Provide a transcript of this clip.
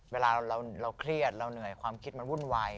เวลาเราเครียดเราเหนื่อยความคิดมันวุ่นวาย